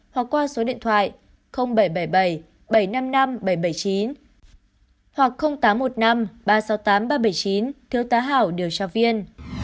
hoặc qua số điện thoại bảy trăm bảy mươi bảy bảy trăm năm mươi năm bảy trăm bảy mươi chín hoặc tám trăm một mươi năm ba trăm sáu mươi tám ba trăm bảy mươi chín thiếu tá hảo điều tra viên